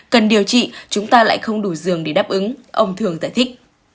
cần điều trị chúng ta lại không đủ giường để đáp ứng ông thường giải thích